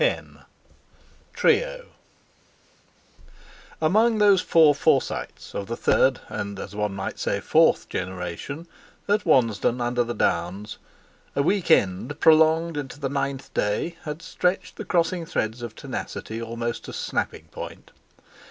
X.—TRIO Among those four Forsytes of the third, and, as one might say, fourth generation, at Wansdon under the Downs, a week end prolonged unto the ninth day had stretched the crossing threads of tenacity almost to snapping point.